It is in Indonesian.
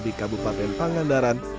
di kabupaten pangandaran